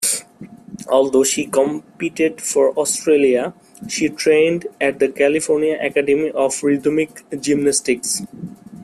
Although she competed for Australia, she trained at the California Academy of Rhythmic Gymnastics.